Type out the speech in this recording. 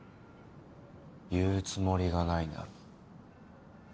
言うつもりがないなら。